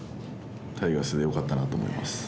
タイガースでよかったなって思います。